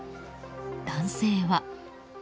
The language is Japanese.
男性は。